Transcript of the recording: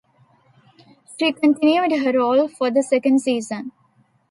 She continued her role for the second season.